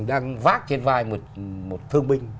đang vác trên vai một thân binh